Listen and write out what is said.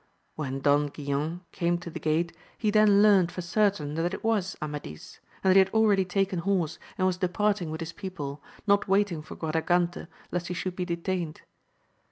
When Don Guilan came to the gate, he then learnt for certain that it was Amadis ; and that he had already taken horse and was depart ing with his people, not waiting for' Quadragante, lest he should be detained.